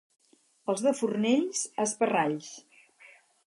Els de Fornells, esparralls.